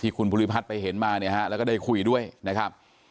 คุณภูริพัฒน์ไปเห็นมาเนี่ยฮะแล้วก็ได้คุยด้วยนะครับ